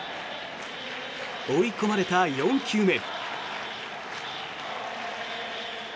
追い込まれた４球目。